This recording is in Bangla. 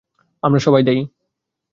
আমরা সবাই দায়ী।